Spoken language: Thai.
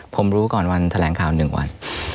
ผมรู้ก่อนวันแถลงข่าว๑วัน